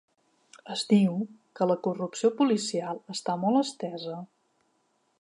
Es diu, que la corrupció policial està molt estesa.